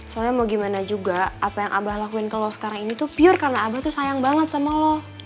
soalnya mau gimana juga apa yang abah lakuin kalau sekarang ini tuh pure karena abah tuh sayang banget sama lo